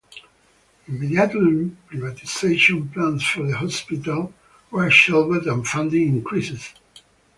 Immediately, privatisation plans for the hospital were shelved, and funding increased.